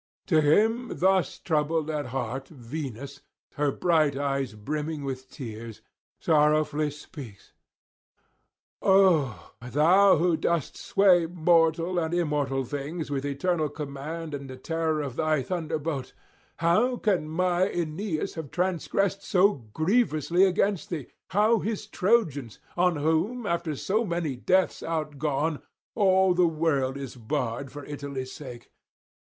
To him thus troubled at heart Venus, her bright eyes brimming with tears, sorrowfully speaks: 'O thou who dost sway mortal and immortal things with eternal command and the terror of thy thunderbolt, how can my Aeneas have transgressed so grievously against thee? how his Trojans? on whom, after so many deaths outgone, all the world is barred for Italy's sake.